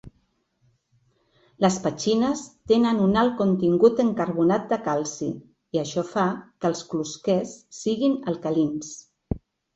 Les petxines tenen un alt contingut en carbonat de calci, i això fa que els closquers siguin alcalins.